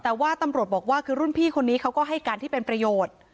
แต่ว่าตำรวจบอกว่าคือรุ่นพี่คนนี้เขาก็ให้การที่เป็นประโยชน์